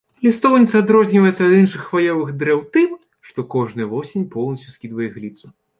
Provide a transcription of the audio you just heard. Лістоўніца адрозніваецца ад іншых хваёвых дрэў тым, што кожную восень поўнасцю скідвае ігліцу.